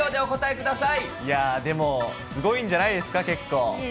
でも、すごいんじゃないですか、結構。